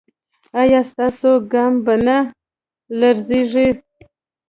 ایا ستاسو ګام به نه لړزیږي؟